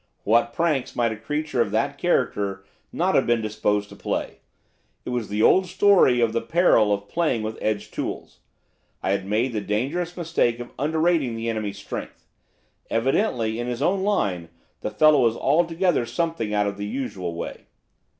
What pranks might a creature of that character not have been disposed to play. It was the old story of the peril of playing with edged tools; I had made the dangerous mistake of underrating the enemy's strength. Evidently, in his own line, the fellow was altogether something out of the usual way.